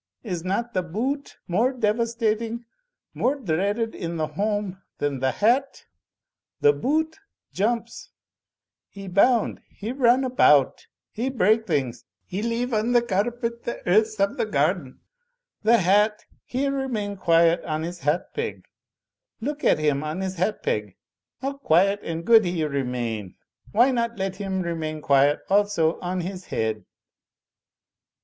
Is not the boo oot more devastating, more dreaded in the home than the hat ? The boot jumps, he boimd, he run about, he break things, he leave on the carpet the earths of the garden. The hat, he remain quiet on his hat peg. Look at him on his hat peg; how quiet and good he remain! Why not let him remain quiet also on his head?"